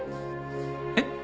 えっ？